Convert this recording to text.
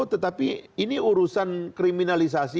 tetapi ini urusan kriminalisasi